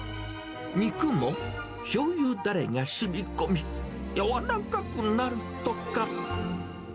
肉もしょうゆだれがしみこみ、やわらかくなるとか。